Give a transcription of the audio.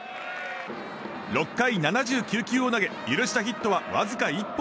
６回７９球を投げ許したヒットはわずか１本。